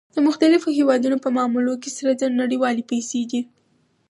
د مختلفو هېوادونو په معاملو کې سره زر نړیوالې پیسې دي